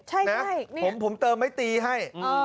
ใช่นะผมเติมไม้ตีให้